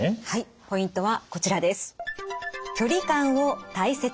はいポイントはこちらです。